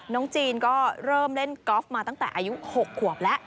น้องจีนก็เริ่มเล่นกอล์ฟมาตั้งแต่อายุ๖ขวบแล้ว